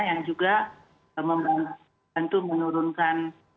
yang juga tentu menurunkan